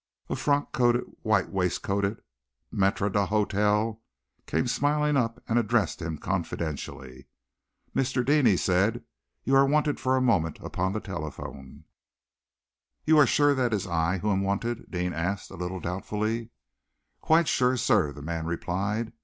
A frock coated, white waistcoated maître d'hôtel came smiling up and addressed him confidentially. "Mr. Deane," he said, "you are wanted for a moment upon the telephone." "You are sure that it is I who am wanted?" Deane asked, a little doubtfully. "Quite sure, sir," the man replied.